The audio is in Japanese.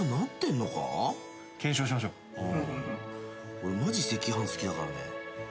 俺マジ赤飯好きだからね。